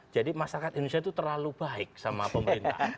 jadi masyarakat indonesia itu terlalu baik sama pemerintah